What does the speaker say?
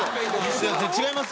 違いますよ。